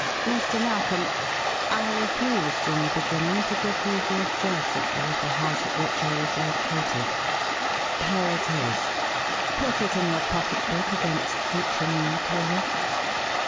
"Mr. Narkom, I refused, in the beginning, to give you the address of the little house at which I was located. Here it is. Put it in your pocketbook against future need, will you?"